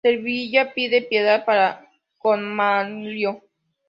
Servilia pide piedad para con Manlio.